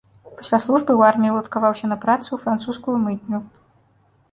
Пасля службы ў арміі уладкаваўся на працу ў французскую мытню.